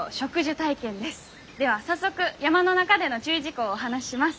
では早速山の中での注意事項をお話しします。